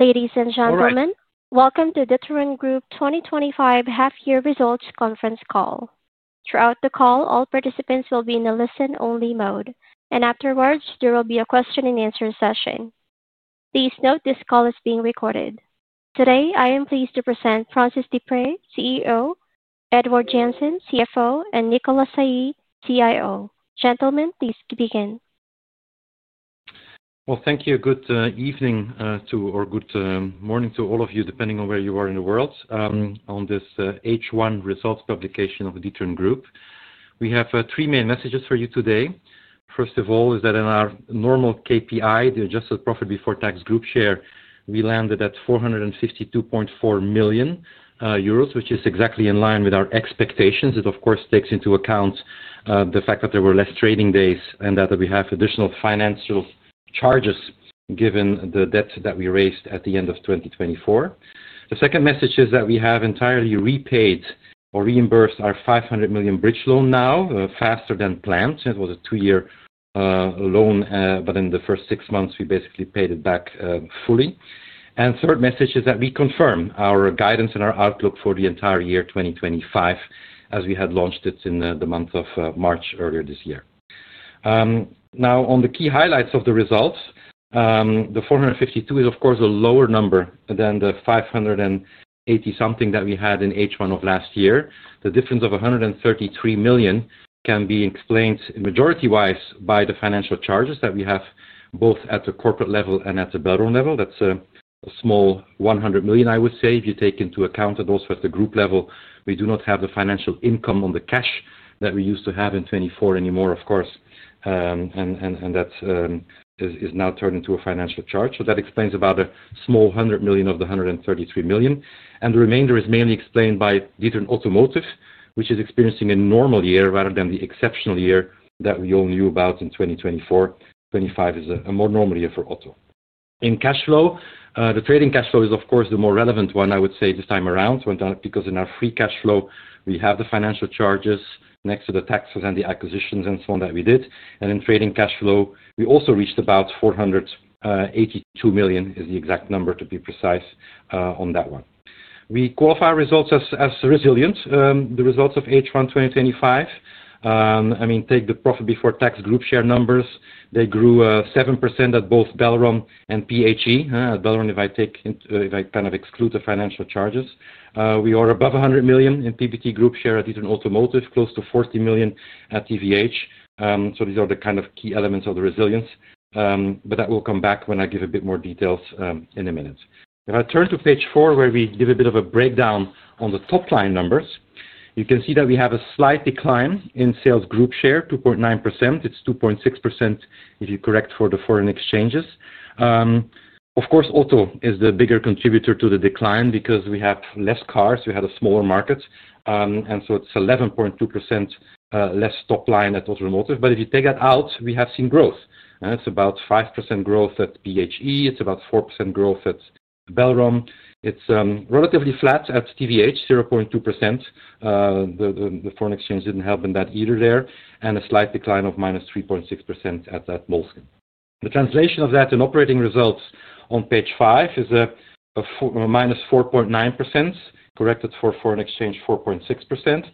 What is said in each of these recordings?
Ladies and gentlemen, welcome to D'Ieteren Group 2025 half-year results conference call. Throughout the call, all participants will be in a listen-only mode, and afterwards, there will be a question-and-answer session. Please note this call is being recorded. Today, I am pleased to present Francis Deprez, CEO, Édouard Janssen, CFO, and Nicolas Saillez, CIO. Gentlemen, please begin. Thank you. Good evening to, or good morning to all of you, depending on where you are in the world, on this H1 results publication of the D'Ieteren Group. We have three main messages for you today. First of all, is that in our normal KPI, the adjusted profit before tax group share, we landed at 452.4 million euros, which is exactly in line with our expectations. It, of course, takes into account the fact that there were less trading days and that we have additional financial charges given the debt that we raised at the end of 2024. The second message is that we have entirely repaid or reimbursed our 500 million bridge loan now, faster than planned. It was a two-year loan, but in the first six months, we basically paid it back fully. The third message is that we confirm our guidance and our outlook for the entire year 2025, as we had launched it in the month of March earlier this year. Now, on the key highlights of the results, the 452 is, of course, a lower number than the 580 something that we had in H1 of last year. The difference of 133 million can be explained majority-wise by the financial charges that we have both at the corporate level and at the Belron level. That's a small 100 million, I would say, if you take into account that also at the group level, we do not have the financial income on the cash that we used to have in 2024 anymore, of course, and that is now turned into a financial charge. So that explains about a small 100 million of the 133 million. And the remainder is mainly explained by D'Ieteren Automotive, which is experiencing a normal year rather than the exceptional year that we all knew about in 2024. 2025 is a more normal year for auto. In cash flow, the trading cash flow is, of course, the more relevant one, I would say, this time around, because in our free cash flow, we have the financial charges next to the taxes and the acquisitions and so on that we did. And in trading cash flow, we also reached about 482 million, is the exact number, to be precise, on that one. We qualify our results as resilient. The results of H1 2025, I mean, take the profit before tax group share numbers. They grew 7% at both Belron and PHE. At Belron, if I take, if I kind of exclude the financial charges, we are above 100 million in PBT group share at D'Ieteren Automotive, close to 40 million at TVH. So these are the kind of key elements of the resilience, but that will come back when I give a bit more details in a minute. If I turn to page four, where we give a bit of a breakdown on the top-line numbers, you can see that we have a slight decline in sales group share, 2.9%. It's 2.6% if you correct for the foreign exchanges. Of course, auto is the bigger contributor to the decline because we have less cars. We had a smaller market, and so it's 11.2% less top-line at automotive. But if you take that out, we have seen growth. It's about 5% growth at PHE. It's about 4% growth at Belron. It's relatively flat at TVH, 0.2%. The foreign exchange didn't help in that either there, and a slight decline of -3.6% at that Moleskine. The translation of that in operating results on page five is a -4.9%, corrected for foreign exchange, 4.6%.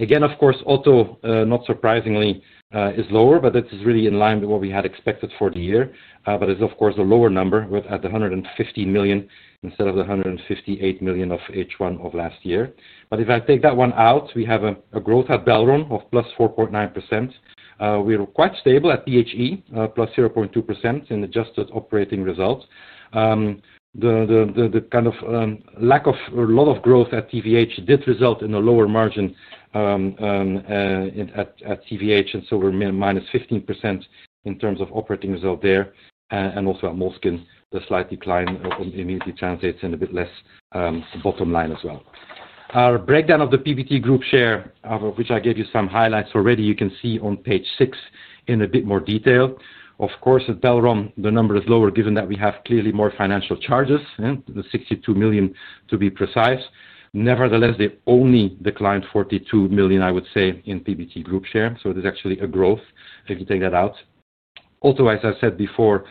Again, of course, auto, not surprisingly, is lower, but this is really in line with what we had expected for the year. But it's, of course, a lower number at the 150 million instead of the 158 million of H1 of last year. But if I take that one out, we have a growth at Belron of +4.9%. We were quite stable at PHE, +0.2% in adjusted operating results. The kind of lack of a lot of growth at TVH did result in a lower margin at TVH, and so we're -15% in terms of operating result there. Also at Moleskine, the slight decline immediately translates in a bit less bottom line as well. Our breakdown of the PBT group share, which I gave you some highlights already, you can see on page six in a bit more detail. Of course, at Belron, the number is lower given that we have clearly more financial charges, the 62 million, to be precise. Nevertheless, they only declined 42 million, I would say, in PBT group share. So it is actually a growth if you take that out. Also, as I said before,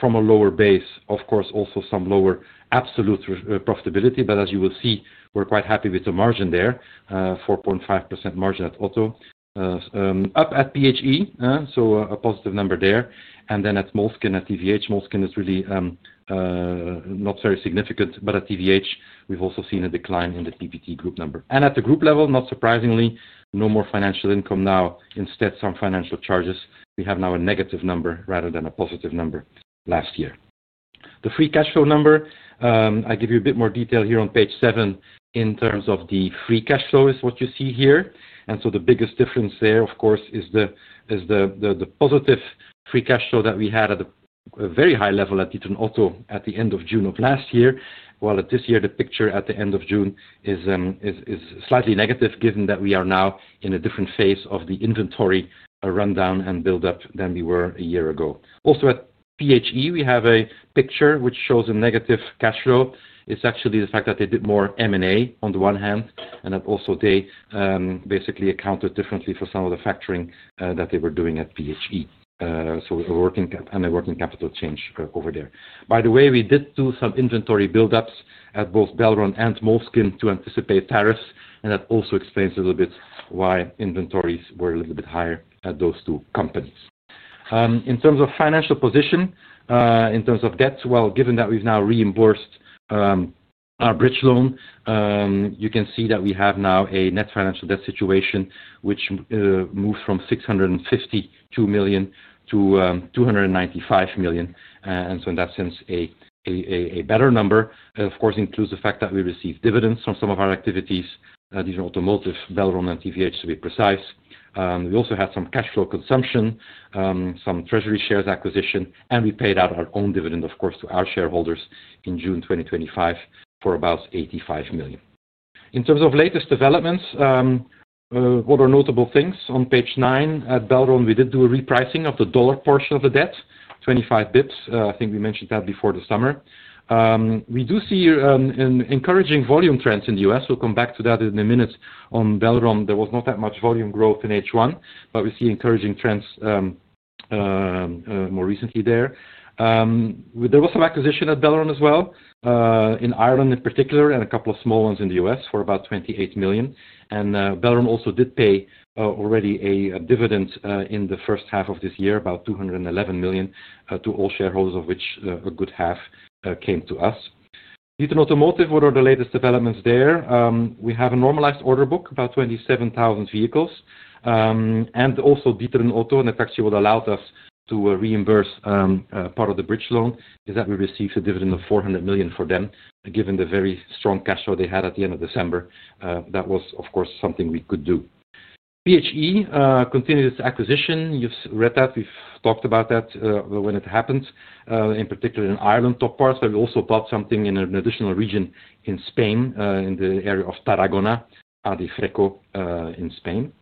from a lower base, of course, also some lower absolute profitability. But as you will see, we're quite happy with the margin there, 4.5% margin at auto. Up at PHE, so a positive number there. At Moleskine, at TVH, Moleskine is really not very significant, but at TVH, we've also seen a decline in the PBT group number. At the group level, not surprisingly, no more financial income now. Instead, some financial charges. We have now a negative number rather than a positive number last year. The free cash flow number, I give you a bit more detail here on page seven in terms of the free cash flow is what you see here. The biggest difference there, of course, is the positive free cash flow that we had at a very high level at D'Ieteren Auto at the end of June of last year. While this year, the picture at the end of June is slightly negative given that we are now in a different phase of the inventory rundown and build-up than we were a year ago. Also, at PHE, we have a picture which shows a negative cash flow. It's actually the fact that they did more M&A on the one hand, and that also they basically accounted differently for some of the factoring that they were doing at PHE. So a working capital change over there. By the way, we did do some inventory build-ups at both Belron and Moleskine to anticipate tariffs, and that also explains a little bit why inventories were a little bit higher at those two companies. In terms of financial position, in terms of debt, well, given that we've now reimbursed our bridge loan, you can see that we have now a net financial debt situation which moved from 652 million- 295 million. And so in that sense, a better number, of course, includes the fact that we received dividends from some of our activities, D'Ieteren Automotive, Belron, and TVH, to be precise. We also had some cash flow consumption, some treasury shares acquisition, and we paid out our own dividend, of course, to our shareholders in June 2025 for about 85 million. In terms of latest developments, what are notable things? On page nine, at Belron, we did do a repricing of the dollar portion of the debt, 25 basis points. I think we mentioned that before the summer. We do see encouraging volume trends in the U.S. We'll come back to that in a minute. On Belron, there was not that much volume growth in H1, but we see encouraging trends more recently there. There was some acquisition at Belron as well, in Ireland in particular, and a couple of small ones in the U.S. for about 28 million. Belron also did pay already a dividend in the first half of this year, about 211 million to all shareholders, of which a good half came to us. D'Ieteren Automotive, what are the latest developments there? We have a normalized order book, about 27,000 vehicles. D'Ieteren Auto also, in effect, what allowed us to reimburse part of the bridge loan is that we received a dividend of 400 million from them, given the very strong cash flow they had at the end of December. That was, of course, something we could do. PHE continued its acquisition. You've read that. We've talked about that when it happened, in particular in Ireland, Top Part. But we also bought something in an additional region in Spain, in the area of Tarragona, AD Fercu in Spain.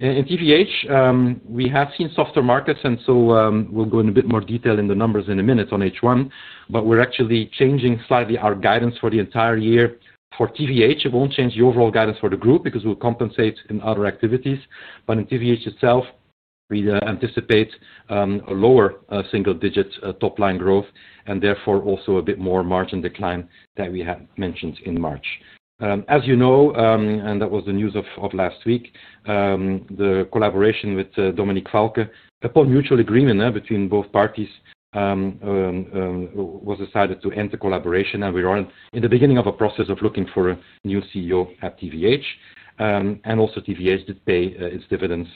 In TVH, we have seen softer markets, and so we'll go in a bit more detail in the numbers in a minute on H1. But we're actually changing slightly our guidance for the entire year. For TVH, it won't change the overall guidance for the group because we'll compensate in other activities. But in TVH itself, we anticipate a lower single-digit top-line growth and therefore also a bit more margin decline that we had mentioned in March. As you know, and that was the news of last week, the collaboration with Dominiek Valcke, upon mutual agreement between both parties, was decided to end the collaboration. And we are in the beginning of a process of looking for a new CEO at TVH. And also TVH did pay its dividends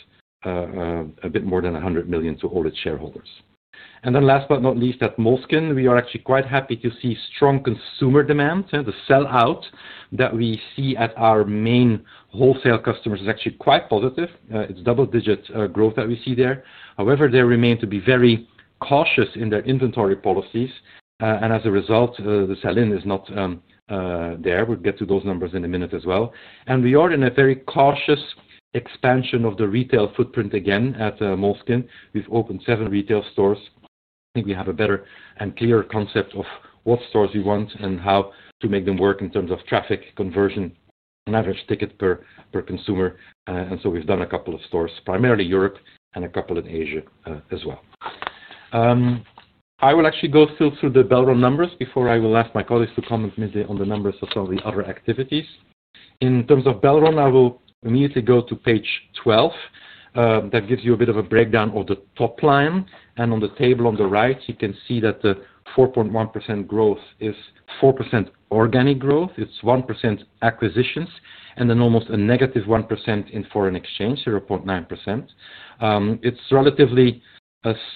a bit more than 100 million to all its shareholders. And then last but not least, at Moleskine, we are actually quite happy to see strong consumer demand. The sell-out that we see at our main wholesale customers is actually quite positive. It's double-digit growth that we see there. However, they remain to be very cautious in their inventory policies. And as a result, the sell-in is not there. We'll get to those numbers in a minute as well. And we are in a very cautious expansion of the retail footprint again at Moleskine. We've opened seven retail stores. I think we have a better and clearer concept of what stores we want and how to make them work in terms of traffic conversion and average ticket per consumer. And so we've done a couple of stores, primarily Europe, and a couple in Asia as well. I will actually go still through the Belron numbers before I will ask my colleagues to comment on the numbers of some of the other activities. In terms of Belron, I will immediately go to page 12. That gives you a bit of a breakdown of the top line. And on the table on the right, you can see that the 4.1% growth is 4% organic growth. It's 1% acquisitions and then almost a negative 1% in foreign exchange, 0.9%. It's relatively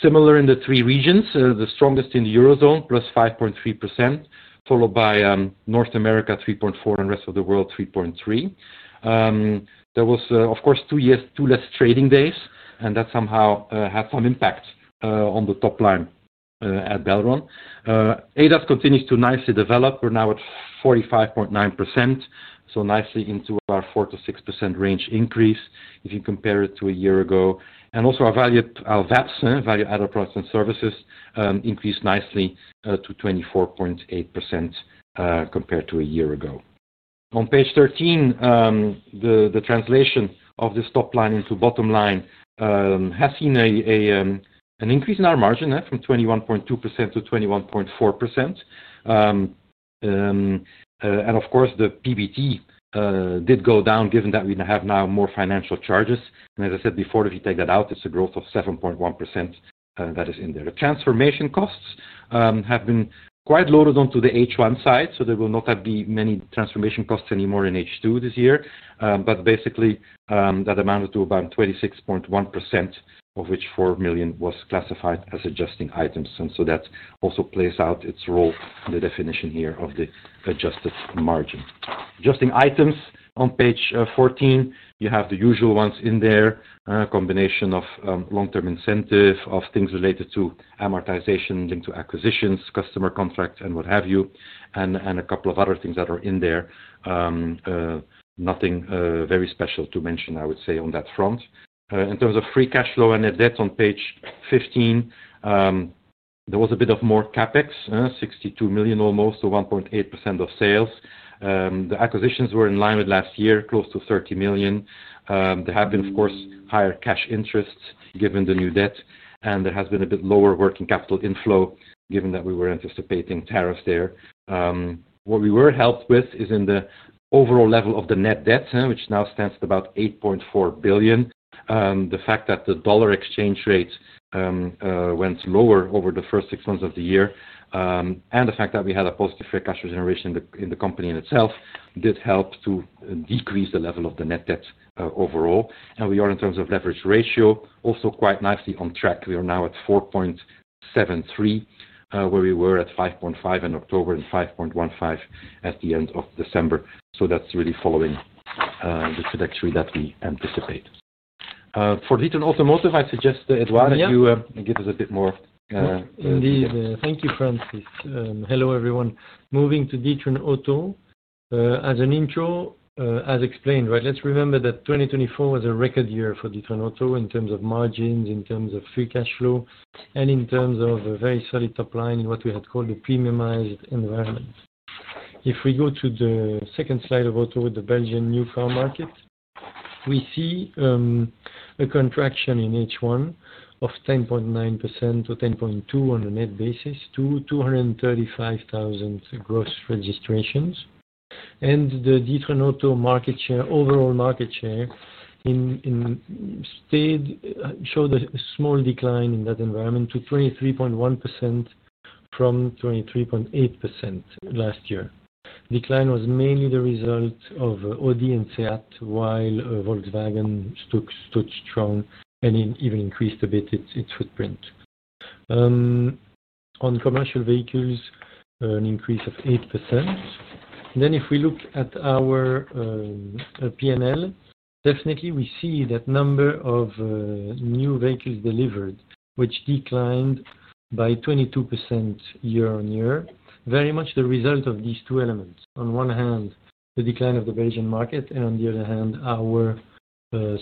similar in the three regions, the strongest in the Eurozone, plus 5.3%, followed by North America, 3.4%, and the rest of the world, 3.3%. There was, of course, two less trading days, and that somehow had some impact on the top line at Belron. ADAS continues to nicely develop We're now at 45.9%, so nicely into about 4%-6% range increase if you compare it to a year ago. Also our VAPS, Value-Added Products and Services, increased nicely to 24.8% compared to a year ago. On page 13, the translation of the top-line into bottom line has seen an increase in our margin from 21.2%-21.4%. Of course, the PBT did go down given that we have now more financial charges. As I said before, if you take that out, it's a growth of 7.1% that is in there. The transformation costs have been quite loaded onto the H1 side, so there will not be many transformation costs anymore in H2 this year. Basically, that amounted to about 26.1%, of which 4 million was classified as adjusting items. And so that also plays out its role in the definition here of the adjusted margin. Adjusting items, on page 14, you have the usual ones in there, a combination of long-term incentive, of things related to amortization linked to acquisitions, customer contracts, and what have you, and a couple of other things that are in there. Nothing very special to mention, I would say, on that front. In terms of free cash flow and net debt on page 15, there was a bit more CapEx, 62 million almost, to 1.8% of sales. The acquisitions were in line with last year, close to 30 million. There have been, of course, higher cash interests given the new debt, and there has been a bit lower working capital inflow given that we were anticipating tariffs there. What we were helped with is in the overall level of the net debt, which now stands at about 8.4 billion. The fact that the dollar exchange rate went lower over the first six months of the year and the fact that we had a positive free cash flow generation in the company in itself did help to decrease the level of the net debt overall. We are, in terms of leverage ratio, also quite nicely on track. We are now at 4.73, where we were at 5.5 in October and 5.15 at the end of December. So that's really following the trajectory that we anticipate. For D'Ieteren Automotive, I suggest, Édouard, that you give us a bit more. Indeed. Thank you, Francis. Hello, everyone. Moving to D'Ieteren Auto. As an intro, as explained, let's remember that 2024 was a record year for D'Ieteren Auto in terms of margins, in terms of free cash flow, and in terms of a very solid top line in what we had called the premiumized environment. If we go to the second slide of Auto with the Belgian new car market, we see a contraction in H1 of 10.9%-10.2% on a net basis to 235,000 gross registrations. The D'Ieteren Auto overall market share showed a small decline in that environment to 23.1% from 23.8% last year. Decline was mainly the result of Audi and SEAT, while Volkswagen stood strong and even increased a bit its footprint. On commercial vehicles, an increase of 8%. Then if we look at our P&L, definitely we see that number of new vehicles delivered, which declined by 22% year on year, very much the result of these two elements. On one hand, the decline of the Belgian market, and on the other hand, our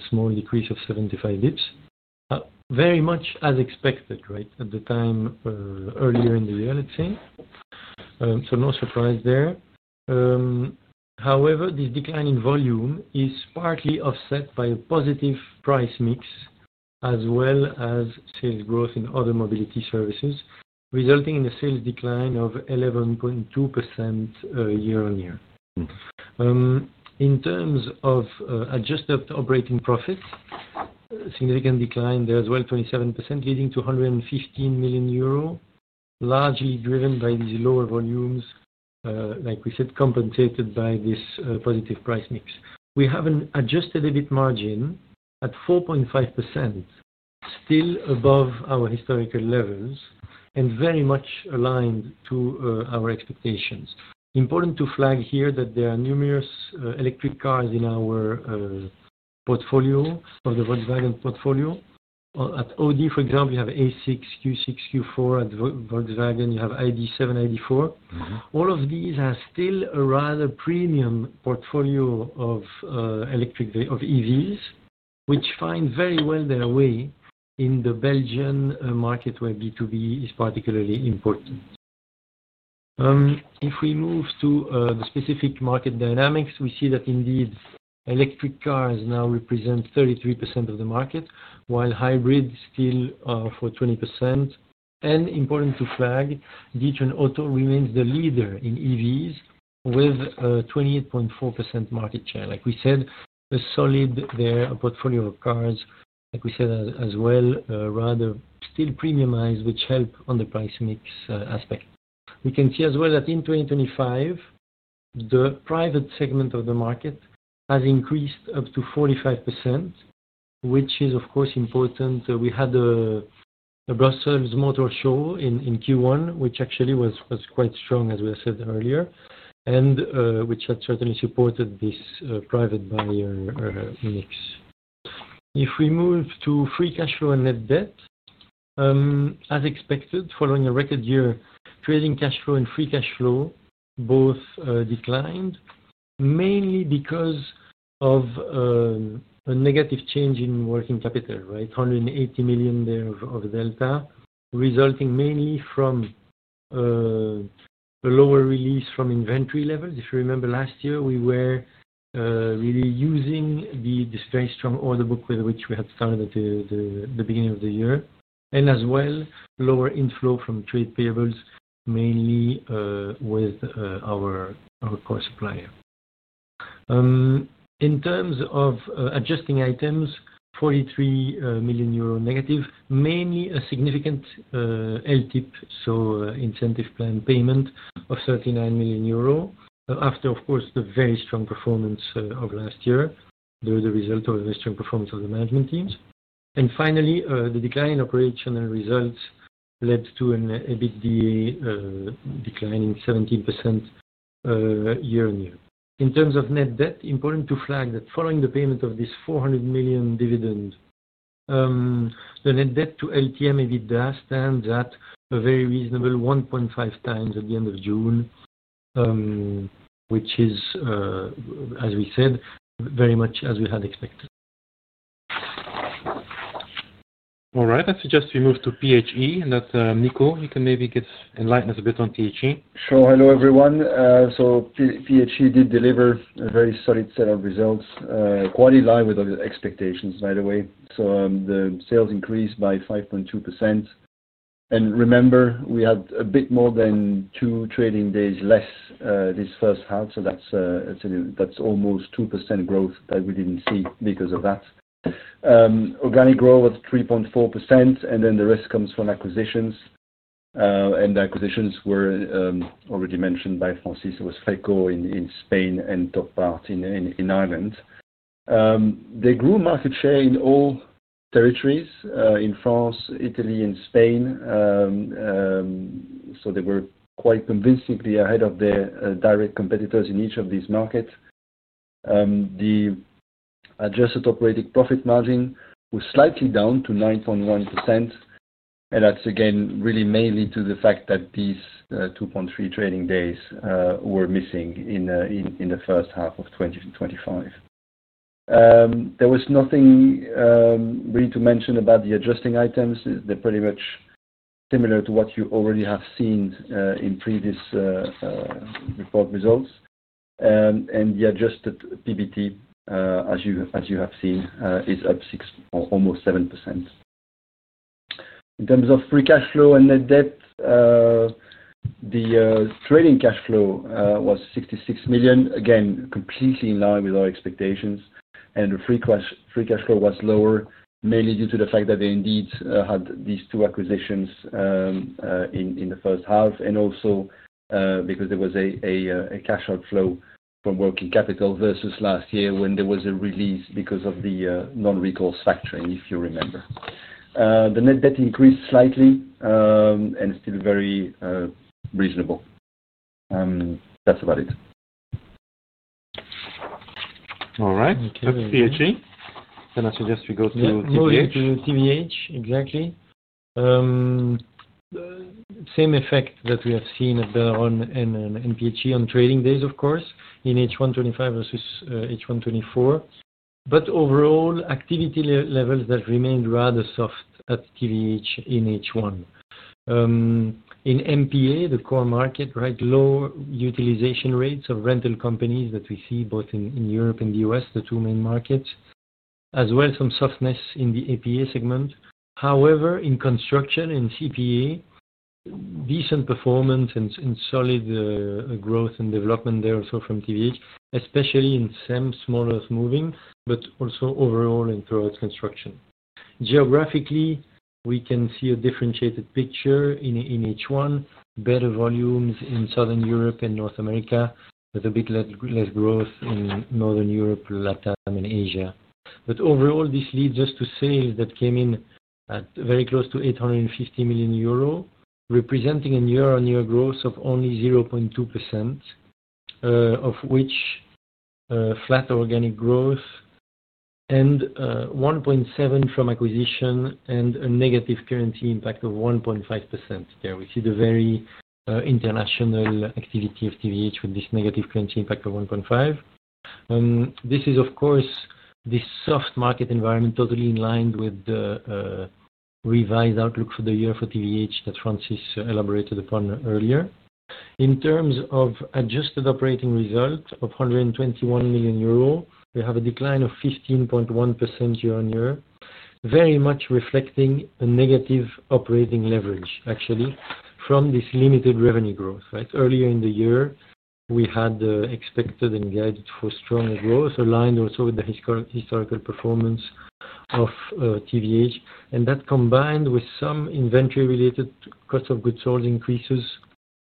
small decrease of 75 basis points, very much as expected at the time earlier in the year, let's say. So no surprise there. However, this decline in volume is partly offset by a positive price mix as well as sales growth in other mobility services, resulting in a sales decline of 11.2% year on year. In terms of adjusted operating profits, significant decline there as well, 27%, leading to 115 million euro, largely driven by these lower volumes, like we said, compensated by this positive price mix. We have an adjusted EBIT margin at 4.5%, still above our historical levels and very much aligned to our expectations. Important to flag here that there are numerous electric cars in our portfolio, of the Volkswagen portfolio. At Audi, for example, you have A6, Q6, Q4. At Volkswagen, you have ID7, ID4. All of these have still a rather premium portfolio of EVs, which find very well their way in the Belgian market where B2B is particularly important. If we move to the specific market dynamics, we see that indeed electric cars now represent 33% of the market, while hybrids still for 20%. And important to flag, D'Ieteren Auto remains the leader in EVs with a 28.4% market share. Like we said, a solid portfolio of cars, like we said as well, rather still premiumized, which helps on the price mix aspect. We can see as well that in 2025, the private segment of the market has increased up to 45%, which is, of course, important. We had a Brussels Motor Show in Q1, which actually was quite strong, as we said earlier, and which had certainly supported this private buyer mix. If we move to free cash flow and net debt, as expected, following a record year, trading cash flow and free cash flow both declined, mainly because of a negative change in working capital, right? 180 million there of delta, resulting mainly from a lower release from inventory levels. If you remember, last year, we were really using this very strong order book with which we had started at the beginning of the year. And as well, lower inflow from trade payables, mainly with our core supplier. In terms of adjusting items, 43 million euro negative, mainly a significant LTIP, so incentive plan payment of 39 million euro, after, of course, the very strong performance of last year, the result of a very strong performance of the management teams. And finally, the decline in operational results led to an EBITDA decline in 17% year on year. In terms of net debt, important to flag that following the payment of this 400 million dividend, the net debt to LTM/EBITDA stands at a very reasonable 1.5 times at the end of June, which is, as we said, very much as we had expected. All right. I suggest we move to PHE. Nicolas, you can maybe enlighten us a bit on PHE. Sure. Hello, everyone. So PHE did deliver a very solid set of results, quite in line with our expectations, by the way. So the sales increased by 5.2%. And remember, we had a bit more than two trading days less this first half. So that's almost 2% growth that we didn't see because of that. Organic growth was 3.4%, and then the rest comes from acquisitions. And the acquisitions were already mentioned by Francis. It was Fercu in Spain and Top Part in Ireland. They grew market share in all territories in France, Italy, and Spain. So they were quite convincingly ahead of their direct competitors in each of these markets. The adjusted operating profit margin was slightly down to 9.1%. And that's, again, really mainly due to the fact that these 2.3 trading days were missing in the first half of 2025. There was nothing really to mention about the adjusting items. They're pretty much similar to what you already have seen in previous report results. The adjusted PBT, as you have seen, is up almost 7%. In terms of free cash flow and net debt, the trading cash flow was 66 million, again, completely in line with our expectations. The free cash flow was lower, mainly due to the fact that they indeed had these two acquisitions in the first half, and also because there was a cash outflow from working capital versus last year when there was a release because of the non-recourse factoring, if you remember. The net debt increased slightly and still very reasonable. That's about it. All right. That's PHE. I suggest we go to TVH. We'll go to TVH, exactly. Same effect that we have seen at Belron and PHE on trading days, of course, in H1 2025 versus H1 2024. But overall, activity levels that remained rather soft at TVH in H1. In MPA, the core market, right? Low utilization rates of rental companies that we see both in Europe and the U.S., the two main markets, as well as some softness in the APA segment. However, in construction and CPA, decent performance and solid growth and development there also from TVH, especially in SEM, small earth moving, but also overall and towards construction. Geographically, we can see a differentiated picture in H1, better volumes in Southern Europe and North America, with a bit less growth in Northern Europe, LatAm, and Asia, but overall, this leads us to sales that came in at very close to 850 million euro, representing a year-on-year growth of only 0.2%, of which flat organic growth and 1.7% from acquisition and a negative currency impact of 1.5%. There we see the very international activity of TVH with this negative currency impact of 1.5%. This is, of course, this soft market environment totally in line with the revised outlook for the year for TVH that Francis elaborated upon earlier. In terms of adjusted operating result of 121 million euro, we have a decline of 15.1% year on year, very much reflecting a negative operating leverage, actually, from this limited revenue growth. Earlier in the year, we had expected and guided for stronger growth, aligned also with the historical performance of TVH, and that combined with some inventory-related cost of goods sales increases.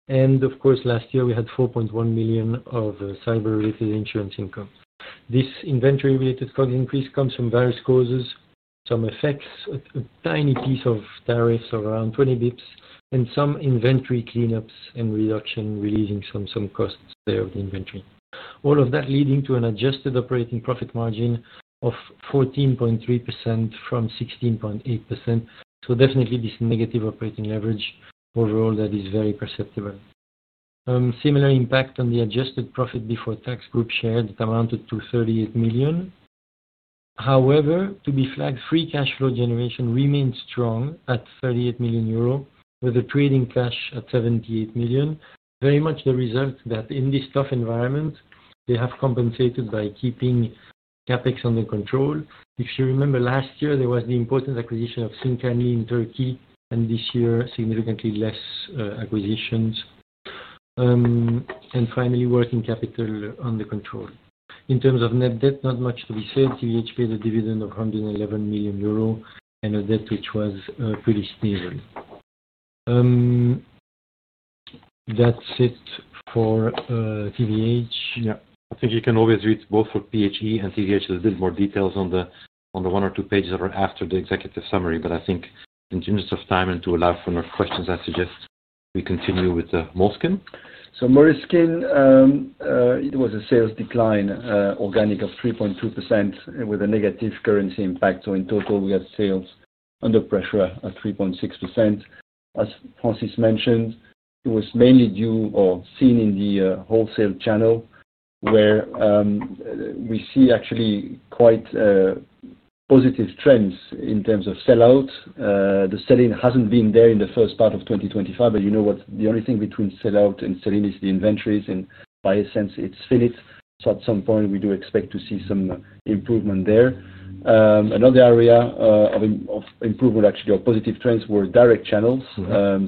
Of course, last year, we had 4.1 million of cyber-related insurance income. This inventory-related cost increase comes from various causes, some effects, a tiny piece of tariffs of around 20 basis points, and some inventory cleanups and reduction, releasing some costs there of the inventory. All of that leading to an adjusted operating profit margin of 14.3% from 16.8%. Definitely this negative operating leverage overall that is very perceptible. Similar impact on the adjusted profit before tax group share that amounted to 38 million. However, to be flagged, free cash flow generation remained strong at 38 million euro, with a trading cash at 78 million. Very much the result that in this tough environment, they have compensated by keeping CapEx under control. If you remember, last year, there was the important acquisition of Sincanli in Turkey, and this year, significantly less acquisitions. Finally, working capital under control. In terms of net debt, not much to be said. TVH paid a dividend of 111 million euro and a debt which was pretty stable. That's it for TVH. Yeah. I think you can always read both for PHE and TVH a little bit more details on the one or two pages that are after the executive summary. But I think in terms of time and to allow for more questions, I suggest we continue with Moleskine. So Moleskine, it was a sales decline, organic of 3.2%, with a negative currency impact. So in total, we had sales under pressure at 3.6%. As Francis mentioned, it was mainly due or seen in the wholesale channel, where we see actually quite positive trends in terms of sell-outs. The sell-in hasn't been there in the first part of 2025. But you know what? The only thing between sell-out and sell-in is the inventories. And in essence, it's finished. So at some point, we do expect to see some improvement there. Another area of improvement, actually, or positive trends were direct channels.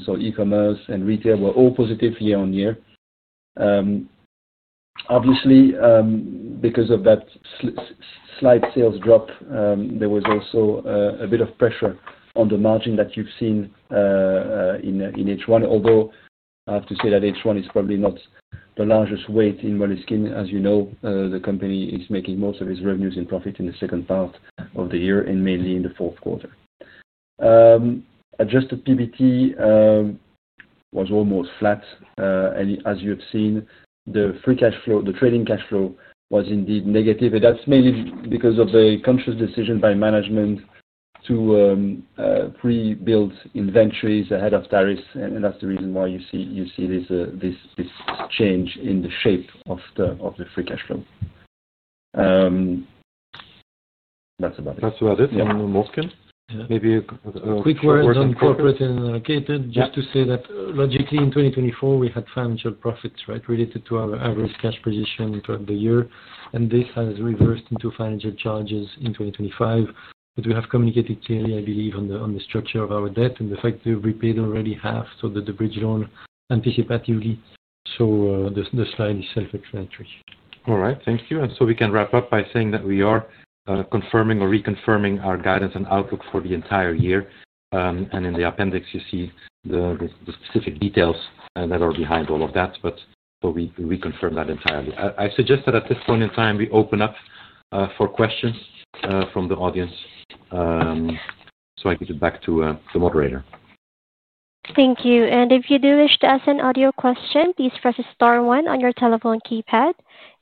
So e-commerce and retail were all positive year on year. Obviously, because of that slight sales drop, there was also a bit of pressure on the margin that you've seen in H1. Although I have to say that H1 is probably not the largest weight in Moleskine. As you know, the company is making most of its revenues in profit in the second part of the year and mainly in the fourth quarter. Adjusted PBT was almost flat, and as you have seen, the trading cash flow was indeed negative, and that's mainly because of the conscious decision by management to pre-build inventories ahead of tariffs, and that's the reason why you see this change in the shape of the free cash flow. That's about it. That's about it from Moleskine. Maybe a quick word on corporate and allocated, just to say that logically, in 2024, we had financial profits, right, related to our average cash position throughout the year. This has reversed into financial charges in 2025. We have communicated clearly, I believe, on the structure of our debt and the fact that we paid already half, so the bridge loan anticipatively. The slide is self-explanatory. All right. Thank you. We can wrap up by saying that we are confirming or reconfirming our guidance and outlook for the entire year. In the appendix, you see the specific details that are behind all of that. We reconfirm that entirely. I suggest that at this point in time, we open up for questions from the audience. I give it back to the moderator. Thank you. If you do wish to ask an audio question, please press Star 1 on your telephone keypad.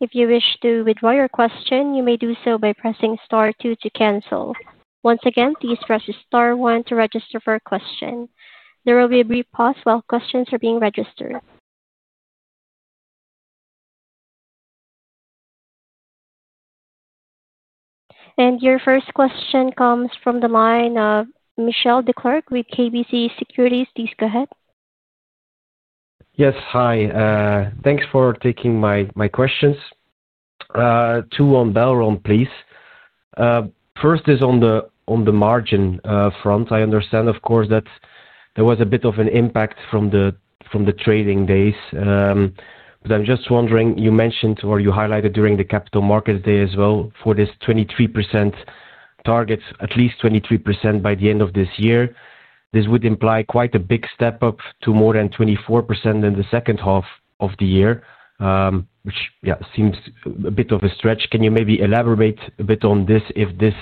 If you wish to withdraw your question, you may do so by pressing Star 2 to cancel. Once again, please press Star 1 to register for a question. There will be a brief pause while questions are being registered. And your first question comes from the line of Michiel Declercq with KBC Securities. Please go ahead. Yes. Hi. Thanks for taking my questions. Two on Belron, please. First is on the margin front. I understand, of course, that there was a bit of an impact from the trading days. But I'm just wondering, you mentioned or you highlighted during the Capital Markets Day as well for this 23% target, at least 23% by the end of this year. This would imply quite a big step up to more than 24% in the second half of the year, which, yeah, seems a bit of a stretch. Can you maybe elaborate a bit on this if this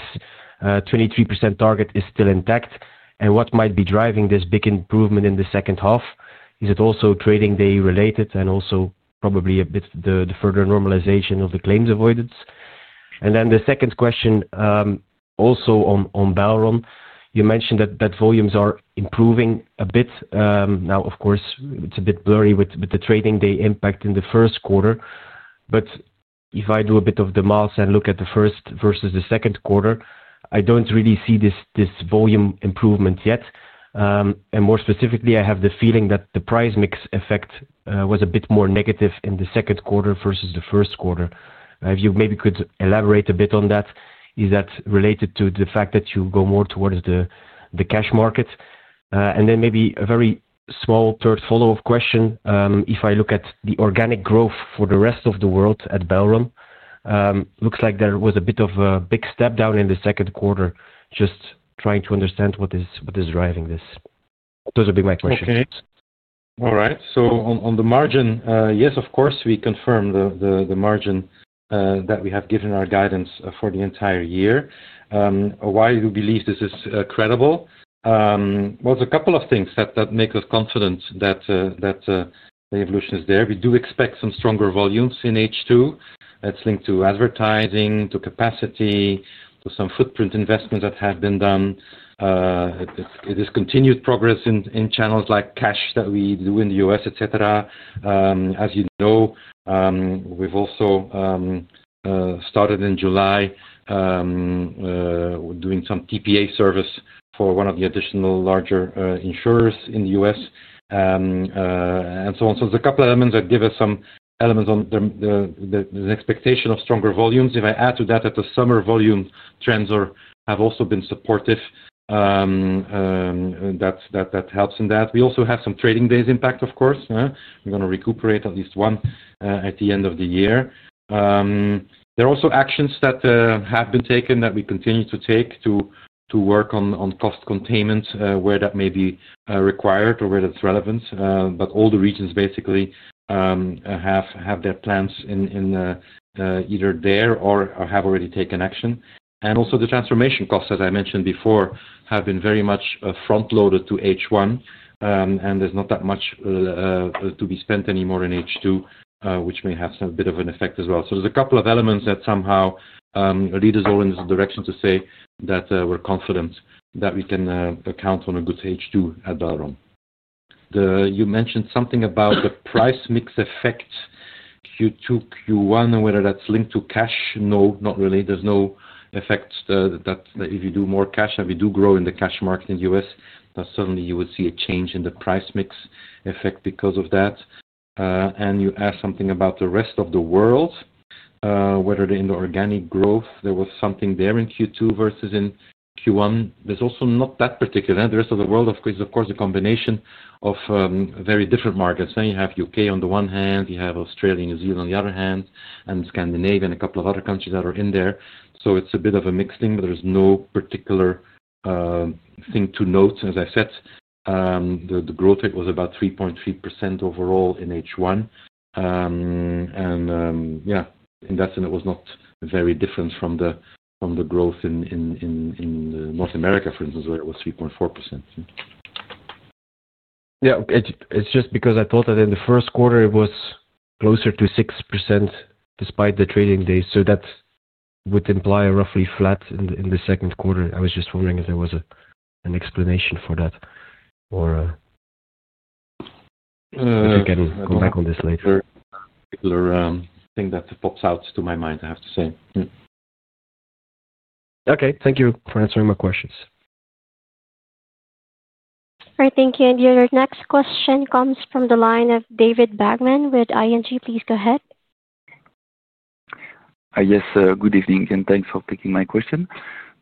23% target is still intact? What might be driving this big improvement in the second half? Is it also trading day related and also probably a bit the further normalization of the claims avoidance? And then the second question also on Belron, you mentioned that volumes are improving a bit. Now, of course, it's a bit blurry with the trading day impact in the first quarter. But if I do a bit of the math and look at the first versus the second quarter, I don't really see this volume improvement yet. And more specifically, I have the feeling that the price mix effect was a bit more negative in the second quarter versus the first quarter. If you maybe could elaborate a bit on that, is that related to the fact that you go more towards the cash market? And then maybe a very small third follow-up question. If I look at the organic growth for the rest of the world at Belron, looks like there was a bit of a big step down in the second quarter, just trying to understand what is driving this. Those would be my questions. Okay. All right. So on the margin, yes, of course, we confirm the margin that we have given our guidance for the entire year. Why do you believe this is credible? Well, it's a couple of things that make us confident that the evolution is there. We do expect some stronger volumes in H2. That's linked to advertising, to capacity, to some footprint investments that have been done. It is continued progress in channels like cash that we do in the US, etc. As you know, we've also started in July doing some TPA service for one of the additional larger insurers in the US and so on. So there's a couple of elements that give us some elements on the expectation of stronger volumes. If I add to that that the summer volume trends have also been supportive, that helps in that. We also have some trading days impact, of course. We're going to recuperate at least one at the end of the year. There are also actions that have been taken that we continue to take to work on cost containment where that may be required or where that's relevant. But all the regions basically have their plans in either there or have already taken action. And also the transformation costs, as I mentioned before, have been very much front-loaded to H1. There's not that much to be spent anymore in H2, which may have a bit of an effect as well. So there's a couple of elements that somehow lead us all in this direction to say that we're confident that we can count on a good H2 at Belron. You mentioned something about the price mix effect Q2, Q1, and whether that's linked to cash. No, not really. There's no effect that if you do more cash, if you do grow in the cash market in the US, that suddenly you would see a change in the price mix effect because of that. And you asked something about the rest of the world, whether in the organic growth, there was something there in Q2 versus in Q1. There's also not that particular. The rest of the world, of course, is a combination of very different markets. Then you have UK on the one hand, you have Australia, New Zealand on the other hand, and Scandinavia and a couple of other countries that are in there. So it's a bit of a mixed thing, but there's no particular thing to note. As I said, the growth rate was about 3.3% overall in H1. And yeah, in that sense, it was not very different from the growth in North America, for instance, where it was 3.4%. Yeah. It's just because I thought that in the first quarter, it was closer to 6% despite the trading days. So that would imply roughly flat in the second quarter. I was just wondering if there was an explanation for that, or if you can go back on this later. No particular thing that pops out to my mind, I have to say. Okay. Thank you for answering my questions. All right. Thank you. And your next question comes from the line of David Vagman with ING. Please go ahead. Yes. Good evening, and thanks for taking my question.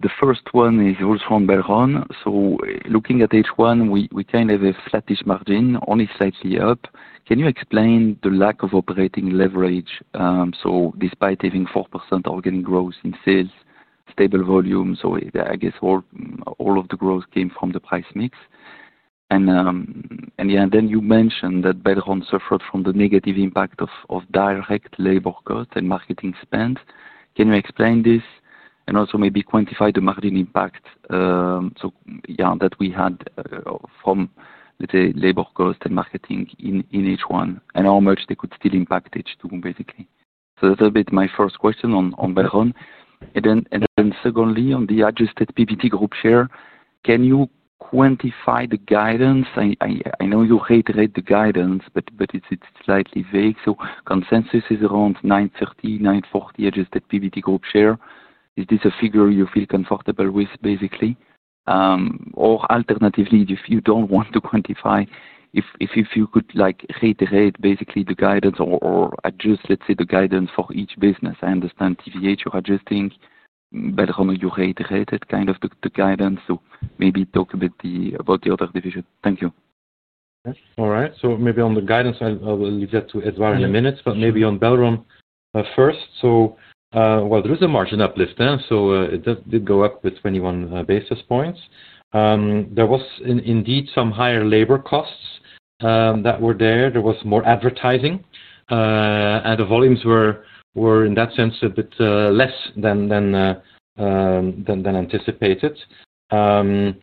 The first one is also on Belron. So looking at H1, we kind of have a flatish margin, only slightly up. Can you explain the lack of operating leverage? So despite having 4% organic growth in sales, stable volume, so I guess all of the growth came from the price mix. And yeah, and then you mentioned that Belron suffered from the negative impact of direct labor cost and marketing spend. Can you explain this and also maybe quantify the margin impact that we had from, let's say, labor cost and marketing in H1 and how much they could still impact H2, basically? So that's a bit my first question on Belron. Then secondly, on the adjusted PBT group share, can you quantify the guidance? I know you reiterate the guidance, but it's slightly vague. So consensus is around 930, 940 adjusted PBT group share. Is this a figure you feel comfortable with, basically? Or alternatively, if you don't want to quantify, if you could reiterate, basically, the guidance or adjust, let's say, the guidance for each business. I understand TVH, you're adjusting Belron, and you reiterated kind of the guidance. So maybe talk about the other division. Thank you. All right. So maybe on the guidance, I'll leave that to Édouard in a minute. But maybe on Belron first. So while there is a margin uplift, so it did go up with 21 basis points. There was indeed some higher labor costs that were there. There was more advertising. The volumes were, in that sense, a bit less than anticipated. Among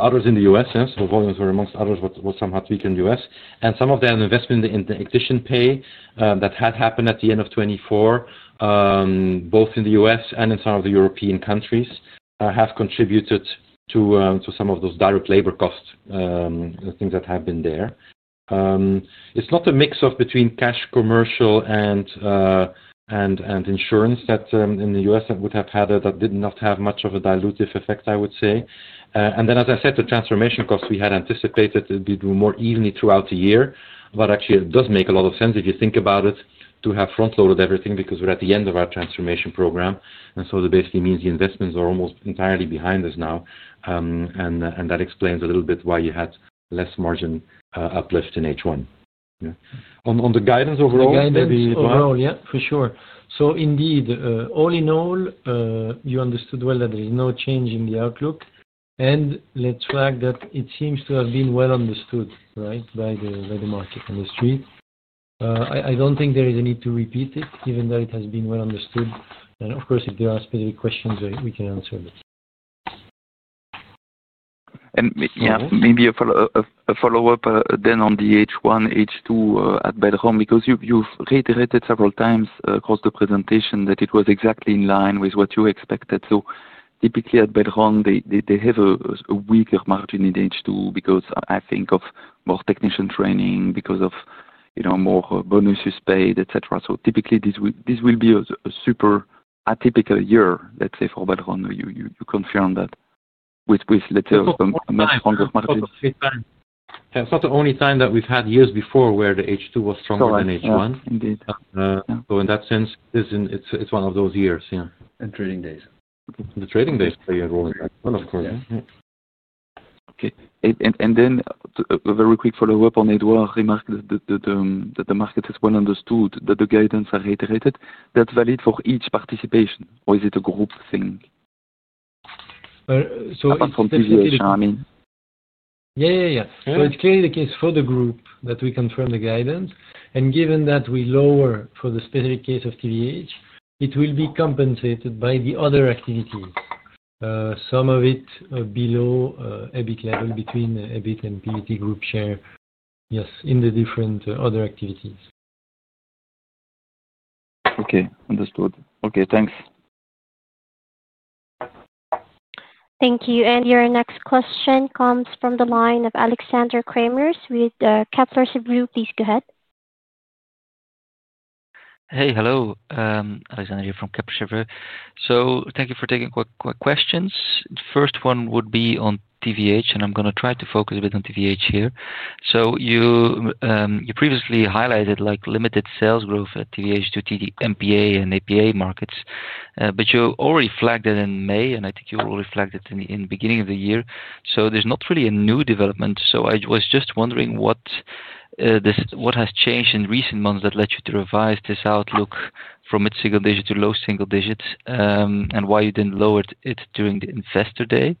others in the U.S., the volumes were, among others, what somehow tweaked in the U.S. Some of that investment in the acquisition pay that had happened at the end of 2024, both in the U.S. and in some of the European countries, have contributed to some of those direct labor costs, the things that have been there. It's not a mix of between cash, commercial, and insurance that in the U.S. that would have had that did not have much of a dilutive effect, I would say. Then, as I said, the transformation costs we had anticipated would be more evenly throughout the year. Actually, it does make a lot of sense if you think about it to have front-loaded everything because we're at the end of our transformation program. And so that basically means the investments are almost entirely behind us now. And that explains a little bit why you had less margin uplift in H1. On the guidance overall, maybe Édouard? The guidance overall, yeah, for sure. So indeed, all in all, you understood well that there is no change in the outlook. And let's flag that it seems to have been well understood, right, by the market industry. I don't think there is a need to repeat it, given that it has been well understood. And of course, if there are specific questions, we can answer them. And maybe a follow-up then on the H1, H2 at Belron, because you've reiterated several times across the presentation that it was exactly in line with what you expected. So typically at Belron, they have a weaker margin in H2 because I think of more technician training, because of more bonuses paid, etc. So typically, this will be a super atypical year, let's say, for Belron. You confirm that with, let's say, a much stronger margin. That's not the only time that we've had years before where the H2 was stronger than H1. So in that sense, it's one of those years, yeah. And trading days. The trading days play a role in that, of course. Okay. And then a very quick follow-up on Édouard's remark that the market is well understood, that the guidance are reiterated. That's valid for each participation, or is it a group thing? Apart from TVH, I mean. Yeah, yeah, yeah. So it's clearly the case for the group that we confirm the guidance. And given that we lower for the specific case of TVH, it will be compensated by the other activities, some of it below EBIT level between EBIT and PBT group share, yes, in the different other activities. Okay. Understood. Okay. Thanks. Thank you. And your next question comes from the line of Alexandre Cremers with Kepler Cheuvreux. Please go ahead. Hey, hello. Alexandre here from Kepler Cheuvreux. So thank you for taking quick questions. The first one would be on TVH, and I'm going to try to focus a bit on TVH here. So you previously highlighted limited sales growth at TVH to MPA and APA markets, but you already flagged it in May, and I think you already flagged it in the beginning of the year. So there's not really a new development. I was just wondering what has changed in recent months that led you to revise this outlook from mid-single digit to low single digit and why you didn't lower it during the investor day.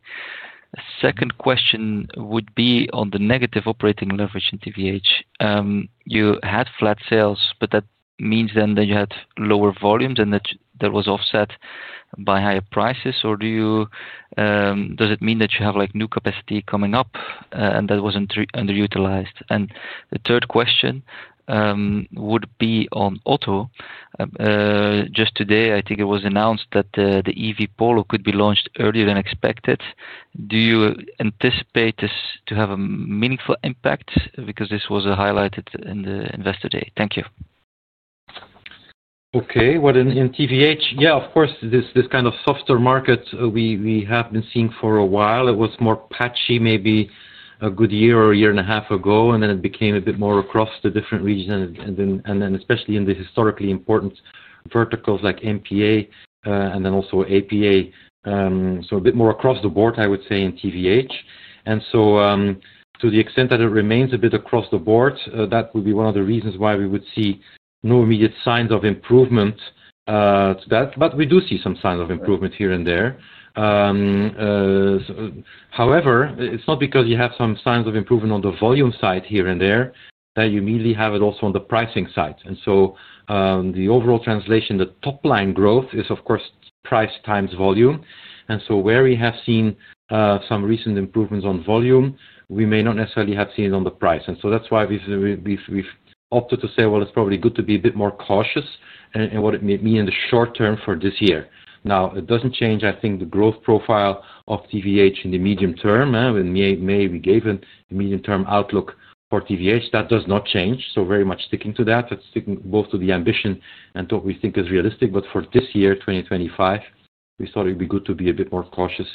Second question would be on the negative operating leverage in TVH. You had flat sales, but that means then that you had lower volumes and that was offset by higher prices, or does it mean that you have new capacity coming up and that wasn't utilized? And the third question would be on auto. Just today, I think it was announced that the EV Polo could be launched earlier than expected. Do you anticipate this to have a meaningful impact? Because this was highlighted in the investor day. Thank you. Okay. Well, in TVH, yeah, of course, this kind of softer market we have been seeing for a while. It was more patchy, maybe a good year or a year and a half ago, and then it became a bit more across the different regions, and then especially in the historically important verticals like MPA and then also APA, so a bit more across the board, I would say, in TVH, and so to the extent that it remains a bit across the board, that would be one of the reasons why we would see no immediate signs of improvement to that, but we do see some signs of improvement here and there. However, it's not because you have some signs of improvement on the volume side here and there that you immediately have it also on the pricing side, and so the overall translation, the top-line growth is, of course, price times volume. Where we have seen some recent improvements on volume, we may not necessarily have seen it on the price. That's why we've opted to say, well, it's probably good to be a bit more cautious in what it may mean in the short term for this year. It doesn't change, I think, the growth profile of TVH in the medium term. In May, we gave a medium-term outlook for TVH. That does not change. Very much sticking to that, that's sticking both to the ambition and what we think is realistic. For this year, 2025, we thought it would be good to be a bit more cautious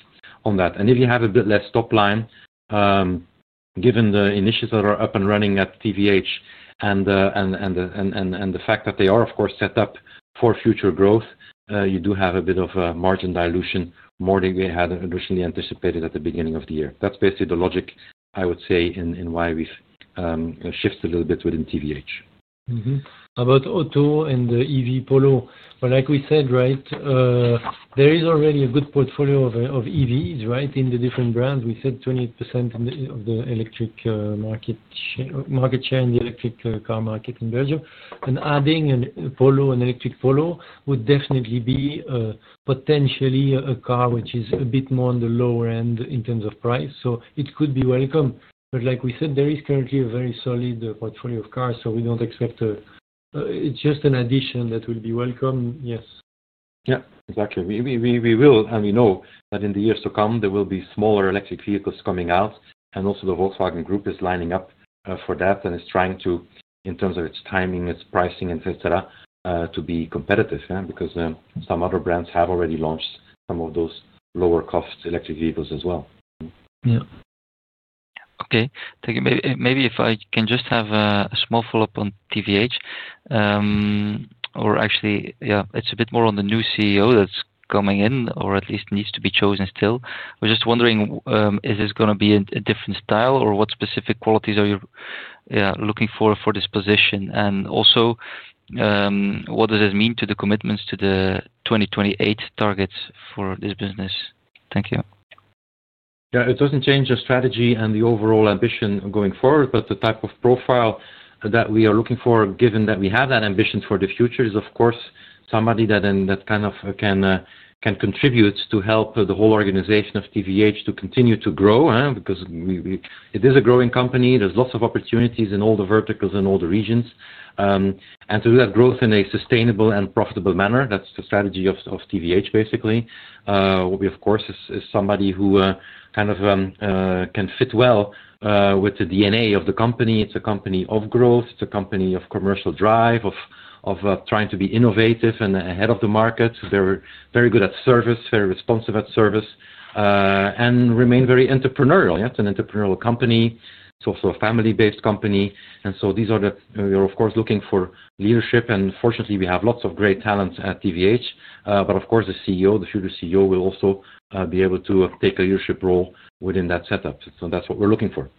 on that. If you have a bit less top line, given the initiatives that are up and running at TVH and the fact that they are, of course, set up for future growth, you do have a bit of margin dilution more than we had initially anticipated at the beginning of the year. That's basically the logic, I would say, in why we've shifted a little bit within TVH. About auto and the EV Polo, well, like we said, right, there is already a good portfolio of EVs, right, in the different brands. We said 20% of the electric market share in the electric car market in Belgium. Adding an electric Polo would definitely be potentially a car which is a bit more on the lower end in terms of price. So it could be welcome. But like we said, there is currently a very solid portfolio of cars, so we don't expect it's just an addition that will be welcome. Yes. Yeah. Exactly. We will, and we know that in the years to come, there will be smaller electric vehicles coming out. And also the Volkswagen Group is lining up for that and is trying to, in terms of its timing, its pricing, etc., to be competitive, yeah, because some other brands have already launched some of those lower-cost electric vehicles as well. Yeah. Okay. Thank you. Maybe if I can just have a small follow-up on TVH, or actually, yeah, it's a bit more on the new CEO that's coming in, or at least needs to be chosen still. I was just wondering, is this going to be a different style, or what specific qualities are you looking for for this position? And also, what does this mean to the commitments to the 2028 targets for this business? Thank you. Yeah. It doesn't change the strategy and the overall ambition going forward, but the type of profile that we are looking for, given that we have that ambition for the future, is, of course, somebody that kind of can contribute to help the whole organization of TVH to continue to grow, because it is a growing company. There's lots of opportunities in all the verticals and all the regions. And to do that growth in a sustainable and profitable manner, that's the strategy of TVH, basically. We, of course, is somebody who kind of can fit well with the DNA of the company. It's a company of growth. It's a company of commercial drive, of trying to be innovative and ahead of the market. They're very good at service, very responsive at service, and remain very entrepreneurial. It's an entrepreneurial company. It's also a family-based company. And so these are the ways we are, of course, looking for leadership. And fortunately, we have lots of great talents at TVH. But of course, the CEO, the future CEO, will also be able to take a leadership role within that setup. So that's what we're looking for.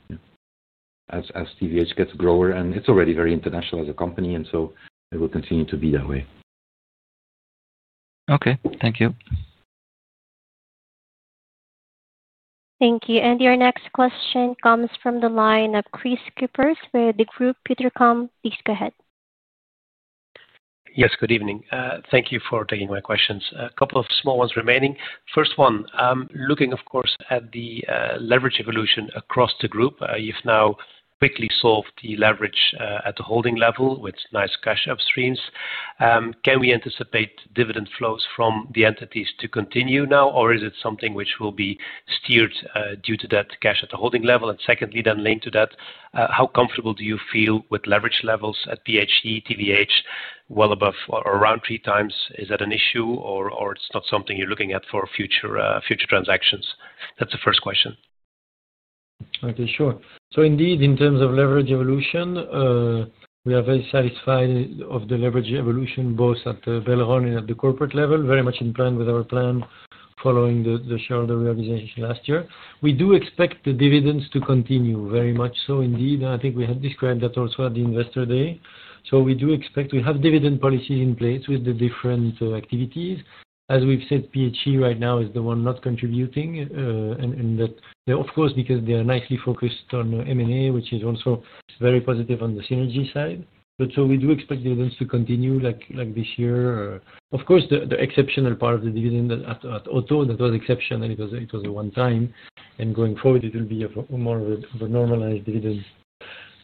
As TVH gets bigger, and it's already very international as a company, and so it will continue to be that way. Okay. Thank you. Thank you. And your next question comes from the line of Kris Kippers with Degroof Petercam. Please go ahead. Yes. Good evening. Thank you for taking my questions. A couple of small ones remaining. First one, looking, of course, at the leverage evolution across the group. You've now quickly solved the leverage at the holding level with nice cash upstreams. Can we anticipate dividend flows from the entities to continue now, or is it something which will be steered due to that cash at the holding level? And secondly, then linked to that, how comfortable do you feel with leverage levels at PHE, TVH, well above or around three times? Is that an issue, or it's not something you're looking at for future transactions? That's the first question. Okay. Sure. So indeed, in terms of leverage evolution, we are very satisfied of the leverage evolution both at Belron and at the corporate level, very much in plan with our plan following the shareholder realization last year. We do expect the dividends to continue very much so indeed. I think we had described that also at the investor day. So we do expect we have dividend policies in place with the different activities. As we've said, PHE right now is the one not contributing in that, of course, because they are nicely focused on M&A, which is also very positive on the synergy side. But so we do expect dividends to continue like this year. Of course, the exceptional part of the dividend at auto, that was exceptional. It was a one-time. And going forward, it will be more of a normalized dividend.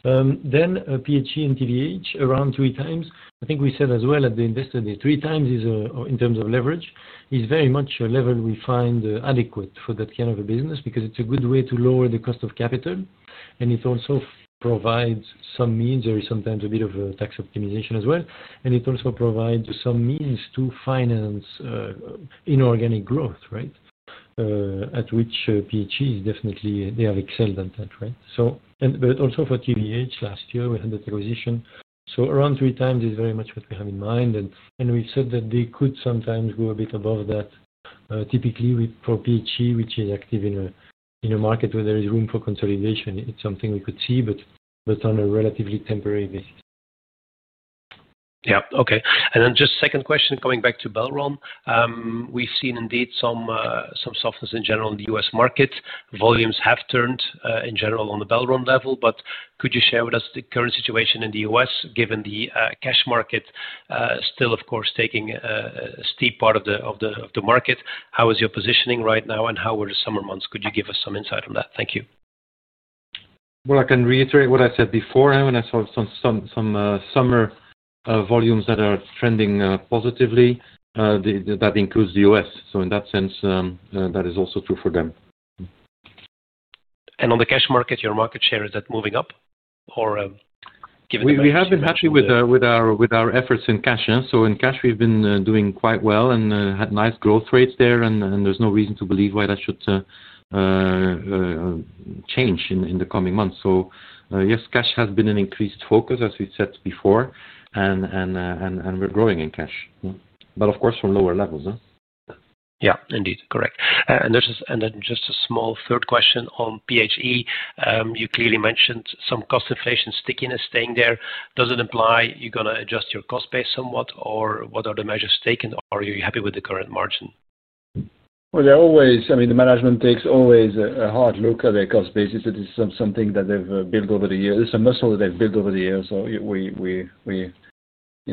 Then PHE and TVH, around three times. I think we said as well at the investor day, three times in terms of leverage is very much a level we find adequate for that kind of a business because it's a good way to lower the cost of capital. And it also provides some means. There is sometimes a bit of tax optimization as well. It also provides some means to finance inorganic growth, right, at which PHE has definitely excelled at that, right? But also for TVH last year, we had that acquisition. So around three times is very much what we have in mind. And we've said that they could sometimes go a bit above that. Typically, for PHE, which is active in a market where there is room for consolidation, it's something we could see, but on a relatively temporary basis. Yeah. Okay. And then just second question coming back to Belron. We've seen indeed some softness in general in the US market. Volumes have turned down in general on the Belron level. But could you share with us the current situation in the US, given the car market still, of course, taking a large part of the market? How is your positioning right now, and how were the summer months? Could you give us some insight on that? Thank you. Well, I can reiterate what I said before. When I saw some summer volumes that are trending positively, that includes the U.S. So in that sense, that is also true for them. And on the cash market, your market share is that moving up, or given? We have been happy with our efforts in cash. So in cash, we've been doing quite well and had nice growth rates there. And there's no reason to believe why that should change in the coming months. So yes, cash has been an increased focus, as we said before, and we're growing in cash. But of course, from lower levels. Yeah. Indeed. Correct. And then just a small third question on PHE. You clearly mentioned some cost inflation stickiness staying there. Does it imply you're going to adjust your cost base somewhat, or what are the measures taken, or are you happy with the current margin? Well, they're always I mean, the management takes always a hard look at their cost basis. It is something that they've built over the years. It's a muscle that they've built over the years. So we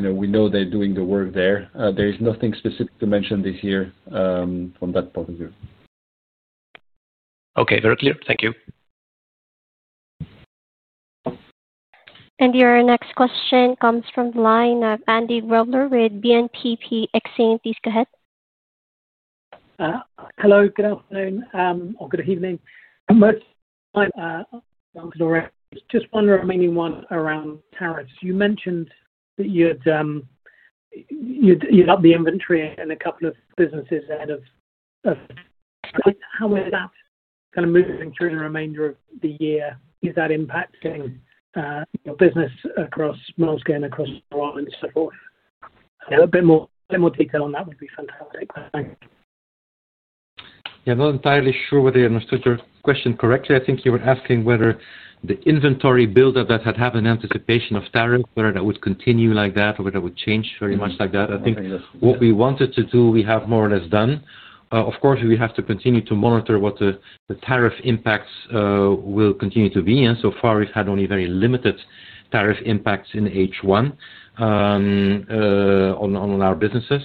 know they're doing the work there. There is nothing specific to mention this year from that point of view. Okay. Very clear. Thank you. And your next question comes from the line of Andy Grobler with BNP Paribas Exane. Please go ahead. Hello. Good afternoon or good evening. Most of the time, I'm just wondering remaining one around tariffs. You mentioned that you had the inventory in a couple of businesses ahead of. How is that kind of moving through the remainder of the year? Is that impacting your business across small scale and across the world and so forth? A bit more detail on that would be fantastic. Thanks. Yeah. Not entirely sure whether I understood your question correctly. I think you were asking whether the inventory buildup that had happened in anticipation of tariffs, whether that would continue like that, or whether it would change very much like that. I think what we wanted to do, we have more or less done. Of course, we have to continue to monitor what the tariff impacts will continue to be. And so far, we've had only very limited tariff impacts in H1 on our businesses,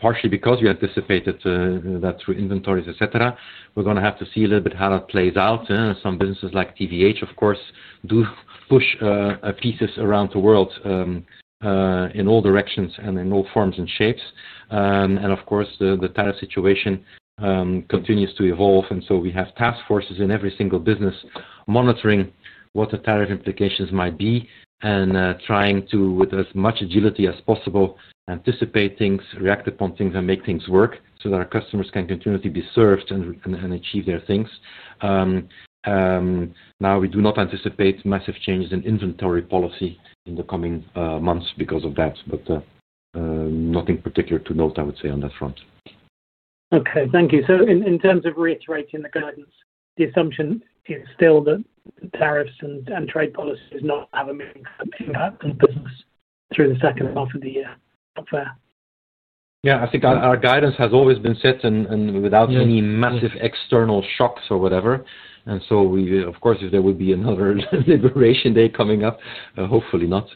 partially because we anticipated that through inventories, etc. We're going to have to see a little bit how that plays out. Some businesses like TVH, of course, do push pieces around the world in all directions and in all forms and shapes. And of course, the tariff situation continues to evolve. And so we have task forces in every single business monitoring what the tariff implications might be and trying to, with as much agility as possible, anticipate things, react upon things, and make things work so that our customers can continuously be served and achieve their things. Now, we do not anticipate massive changes in inventory policy in the coming months because of that, but nothing particular to note, I would say, on that front. Okay. Thank you. So in terms of reiterating the guidance, the assumption is still that tariffs and trade policies not have a meaningful impact on business through the second half of the year. Is that fair? Yeah. I think our guidance has always been set without any massive external shocks or whatever. And so of course, if there would be another Liberation Day coming up, hopefully not.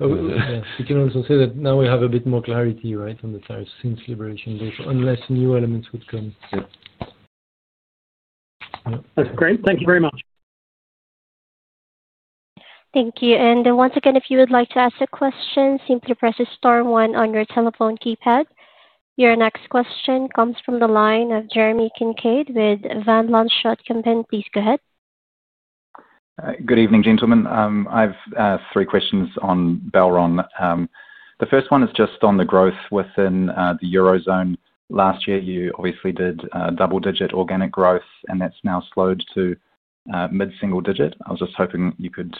We can also say that now we have a bit more clarity, right, on the tariffs since Liberation Day, unless new elements would come. Yeah. That's great. Thank you very much. Thank you. And once again, if you would like to ask a question, simply press the star one on your telephone keypad. Your next question comes from the line of Jeremy Kincaid with Van Lanschot Kempen. Please go ahead. Good evening, gentlemen. I have three questions on Belron. The first one is just on the growth within the Eurozone. Last year, you obviously did double-digit organic growth, and that's now slowed to mid-single digit. I was just hoping you could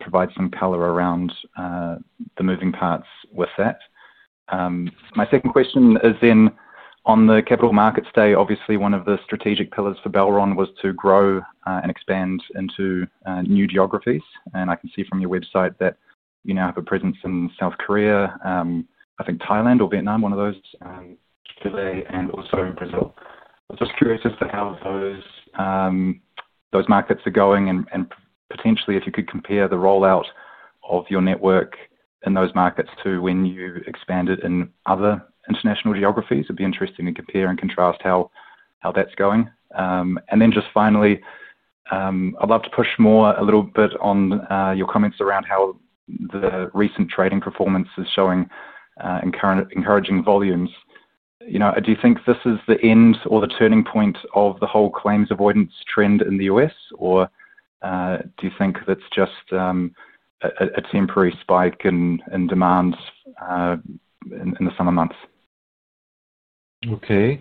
provide some color around the moving parts with that. My second question is then on the Capital Markets Day. Obviously, one of the strategic pillars for Belron was to grow and expand into new geographies. And I can see from your website that you now have a presence in South Korea, I think Thailand or Vietnam, one of those, and also Brazil. I'm just curious as to how those markets are going and potentially if you could compare the rollout of your network in those markets to when you expanded in other international geographies. It'd be interesting to compare and contrast how that's going. And then just finally, I'd love to push more a little bit on your comments around how the recent trading performance is showing encouraging volumes. Do you think this is the end or the turning point of the whole claims avoidance trend in the U.S., or do you think that's just a temporary spike in demand in the summer months? Okay.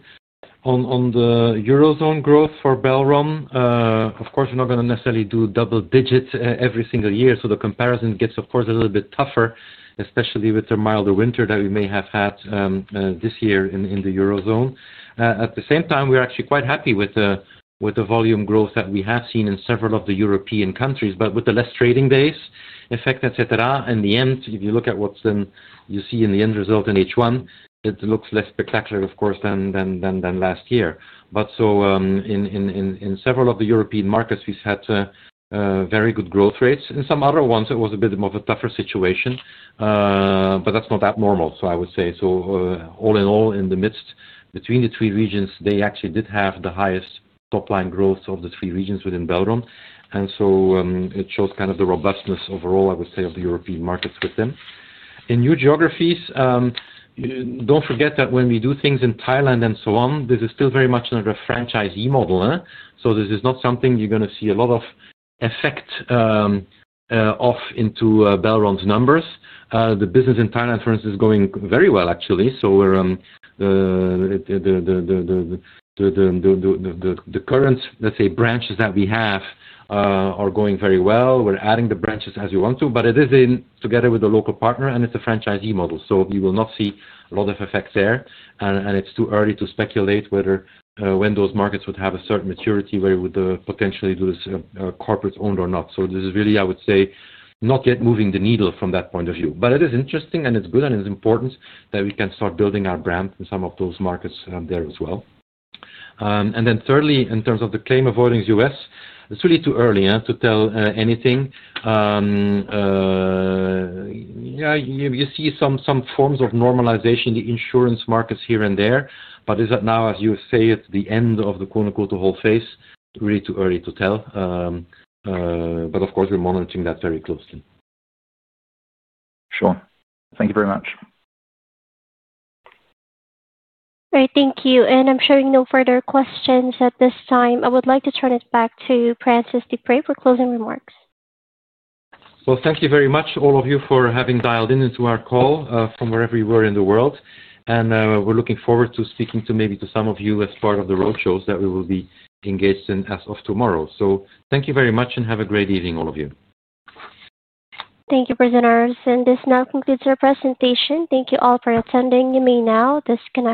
On the Eurozone growth for Belron, of course, we're not going to necessarily do double-digit every single year. So the comparison gets, of course, a little bit tougher, especially with the milder winter that we may have had this year in the Eurozone. At the same time, we're actually quite happy with the volume growth that we have seen in several of the European countries, but with the less trading days, effect, etc. In the end, if you look at what you see in the end result in H1, it looks less spectacular, of course, than last year. But so in several of the European markets, we've had very good growth rates. In some other ones, it was a bit more of a tougher situation, but that's not abnormal, so I would say. So all in all, in the midst between the three regions, they actually did have the highest top-line growth of the three regions within Belron. And so it shows kind of the robustness overall, I would say, of the European markets with them. In new geographies, don't forget that when we do things in Thailand and so on, this is still very much a franchisee model. So this is not something you're going to see a lot of effect off into Belron's numbers. The business in Thailand, for instance, is going very well, actually. So the current, let's say, branches that we have are going very well. We're adding the branches as we want to, but it is together with a local partner, and it's a franchisee model. So you will not see a lot of effects there. And it's too early to speculate whether when those markets would have a certain maturity where we would potentially do this corporate-owned or not. So this is really, I would say, not yet moving the needle from that point of view. But it is interesting, and it's good, and it's important that we can start building our brand in some of those markets there as well. And then thirdly, in terms of the claim avoidance U.S., it's really too early to tell anything. You see some forms of normalization in the insurance markets here and there, but now, as you say, it's the end of the quote-unquote "whole phase." Really too early to tell. But of course, we're monitoring that very closely. Sure. Thank you very much. All right. Thank you. And I'm showing no further questions at this time. I would like to turn it back to Francis Deprez for closing remarks. Well, thank you very much, all of you, for having dialed into our call from wherever you were in the world. And we're looking forward to speaking to maybe some of you as part of the roadshows that we will be engaged in as of tomorrow. So thank you very much, and have a great evening, all of you. Thank you, presenters. And this now concludes our presentation. Thank you all for attending. You may now disconnect.